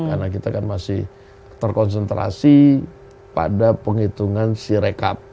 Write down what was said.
karena kita kan masih terkonsentrasi pada penghitungan si rekap